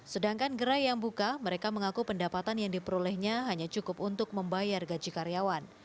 sedangkan gerai yang buka mereka mengaku pendapatan yang diperolehnya hanya cukup untuk membayar gaji karyawan